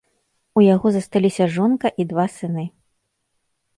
У яго засталіся жонка і два сыны.